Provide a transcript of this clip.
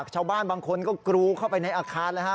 ชาวบ้านบางคนก็กรูเข้าไปในอาคารเลยฮะ